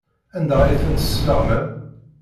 Anda ay tent-tesleɣmam?